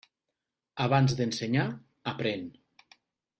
Abans d'ensenyar, aprén.